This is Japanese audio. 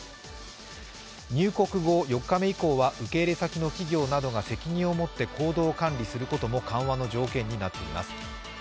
入国後４日目以降は受け入れ先の企業などが責任を持って行動管理することも緩和の条件になっています。